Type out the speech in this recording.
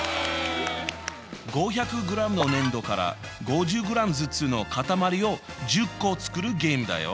５００ｇの粘土から５０ｇずつのかたまりを１０個作るゲームだよ。